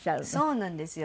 そうなんですよ。